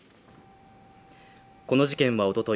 この事件はおととい